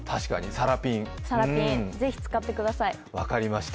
さらぴん、ぜひ使ってください。